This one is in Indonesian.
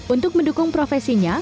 untuk mendukung profesinya